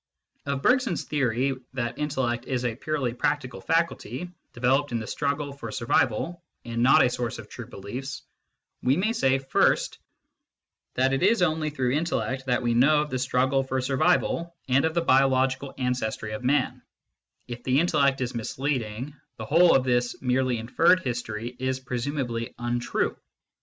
Of Bergson s theory that intellect is a purely practical faculty, developed in the struggle for survival, and not a source of true beliefs, we may say, first, that it is only through intellect that we know of the struggle for sur vival and of the biological ancestry of man : if the intel lect is misleading, the whole of this merely inferred history is presumably untrue.